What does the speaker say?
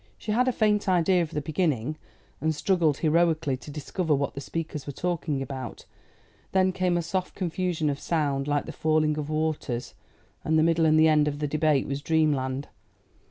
She had a faint idea of the beginning, and struggled heroically to discover what the speakers were talking about; then came a soft confusion of sound, like the falling of waters; and the middle and end of the debate was dreamland.